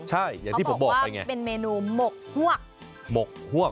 ใช่อย่างที่ผมบอกว่าเป็นเมนูหมกหลวก